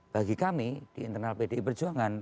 bagi kami di internal pdi perjuangan